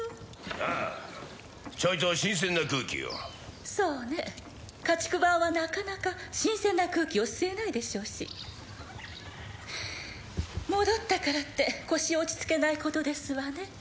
ああちょいと新鮮な空気をそうね家畜番はなかなか新鮮な空気を吸えないでしょうし戻ったからって腰を落ち着けないことですわね